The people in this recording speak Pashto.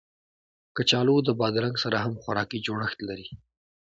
کچالو د بادرنګ سره هم خوراکي جوړښت لري